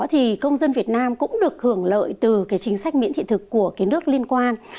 thì công dân việt nam cũng được hưởng lợi từ cái chính sách miễn thị thực của cái nước liên quan